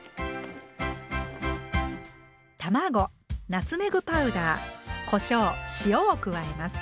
卵ナツメグパウダーこしょう塩を加えます。